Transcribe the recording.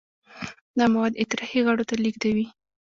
دا مواد اطراحي غړو ته لیږدوي.